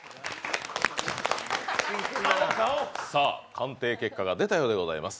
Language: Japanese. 鑑定結果が出たようでございます。